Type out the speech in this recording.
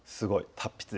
達筆？